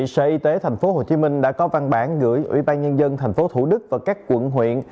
sở y tế tp hcm đã có văn bản gửi ủy ban nhân dân tp thủ đức và các quận huyện